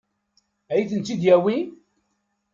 Ad iyi-tent-id-yawi?